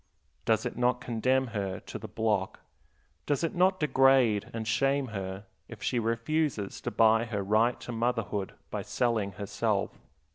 Does it not condemn her to the block, does it not degrade and shame her if she refuses to buy her right to motherhood by selling herself?